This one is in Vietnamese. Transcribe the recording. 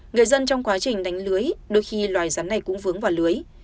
người dân trong quá trình đánh lưới đôi khi loài rắn này cũng vướng vào lưới